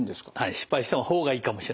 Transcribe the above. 失敗しても方がいいかもしれません。